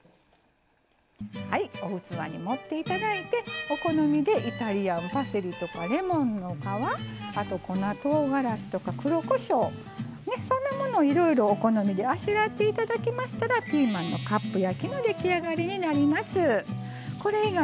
お器に盛っていただいてお好みでイタリアンパセリとかレモンの皮あと粉とうがらしとか黒こしょうそんなものをいろいろお好みでやっていただいたらピーマンのカップ焼きの出来上がりになります。